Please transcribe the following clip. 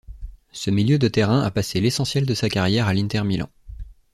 Ce milieu de terrain a passé l'essentiel de sa carrière à l'Inter Milan.